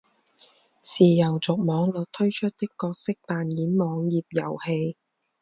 是游族网络推出的角色扮演网页游戏。